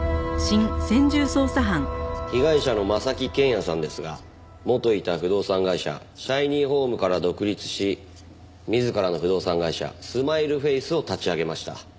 被害者の征木健也さんですが元いた不動産会社Ｓｈｉｎｙｈｏｍｅから独立し自らの不動産会社住まいるフェイスを立ち上げました。